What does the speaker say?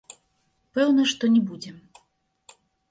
Пэўна, што не будзем.